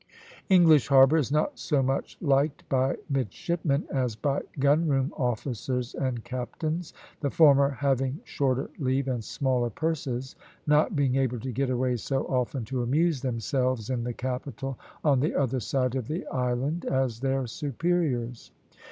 English Harbour is not so much liked by midshipmen as by gunroom officers and captains, the former having shorter leave and smaller purses, not being able to get away so often to amuse themselves in the capital on the other side of the island as their superiors.